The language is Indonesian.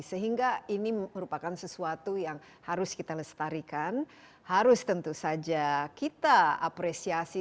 sehingga ini merupakan sesuatu yang harus kita lestarikan harus tentu saja kita apresiasi